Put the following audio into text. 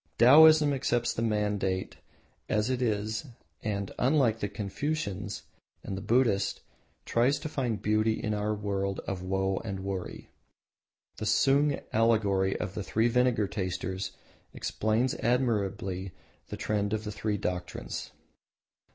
Taoism accepts the mundane as it is and, unlike the Confucians or the Buddhists, tries to find beauty in our world of woe and worry. The Sung allegory of the Three Vinegar Tasters explains admirably the trend of the three doctrines.